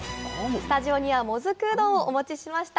スタジオにはもずくうどんをお持ちしました。